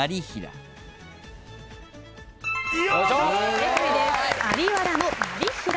正解です。